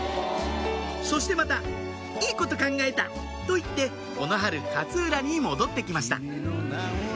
そしてまた「いいこと考えた！」と言ってこの春勝浦に戻ってきました